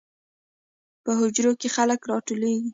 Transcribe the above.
په حجرو کې خلک راټولیږي.